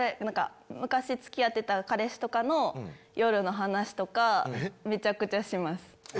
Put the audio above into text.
昔付き合ってた彼氏とかの夜の話とかめちゃくちゃします。